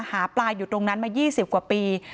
หาปลาอยู่ตรงนั้นมา๒๐กว่าปี